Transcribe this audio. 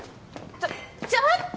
ちょちょっと！